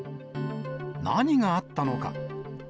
何があったのか。